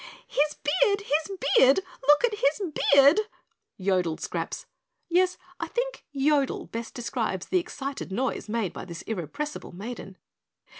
"His beard! His beard! Look at his beard!" yodeled Scraps. (Yes, I think "yodel" best describes the excited noise made by this irrepressible maiden.)